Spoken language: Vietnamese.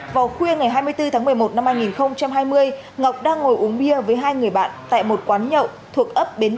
vào khuya ngày hai mươi bốn tháng một mươi một năm hai nghìn hai mươi ngọc đang ngồi uống bia với hai người bạn tại một quán nhậu thuộc ấp bến